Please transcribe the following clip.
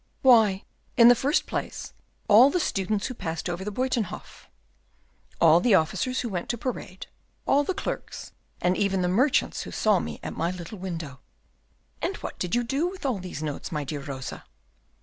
why, in the first place, all the students who passed over the Buytenhof, all the officers who went to parade, all the clerks, and even the merchants who saw me at my little window." "And what did you do with all these notes, my dear Rosa?"